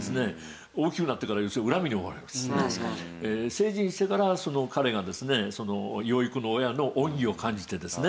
成人してからその彼がですね養育の親の恩義を感じてですね